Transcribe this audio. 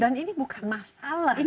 dan ini bukan masalah